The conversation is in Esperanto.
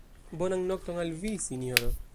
Bonan nokton al vi, sinjoro.